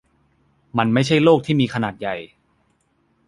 มันไม่ใช่โลกที่มีขนาดใหญ่.